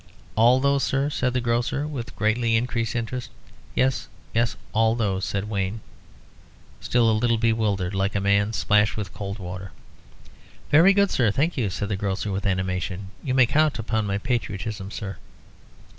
"All those, sir?" said the grocer, with greatly increased interest. "Yes, yes; all those," replied Wayne, still a little bewildered, like a man splashed with cold water. "Very good, sir; thank you, sir," said the grocer with animation. "You may count upon my patriotism, sir."